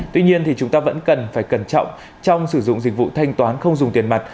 tuy nhiên thì chúng ta vẫn cần phải cẩn trọng trong sử dụng dịch vụ thanh toán không dùng tiền mặt